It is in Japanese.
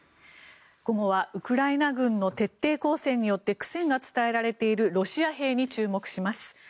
午後はウクライナ軍の徹底抗戦によって苦戦が伝えられているロシア兵に注目します。